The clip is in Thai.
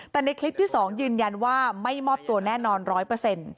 แต่ในคลิปที่๒ยืนยันว่าไม่มอบตัวแน่นอน๑๐๐